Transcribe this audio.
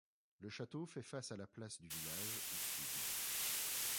Le château fait face à la place du village au sud.